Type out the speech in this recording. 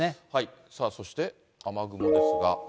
そして雨雲ですが。